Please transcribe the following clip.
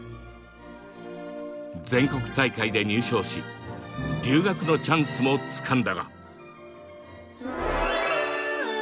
全国大会で入賞し留学のチャンスもつかんだが。